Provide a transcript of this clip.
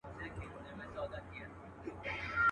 پر سر یې واوري اوروي پای یې ګلونه.